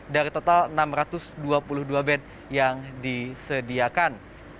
dari total enam ratus dua puluh dua bed yang disediakan